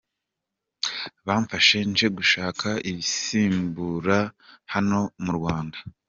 Bamfashe nje gushaka ibibisimbura hano mu Rwanda.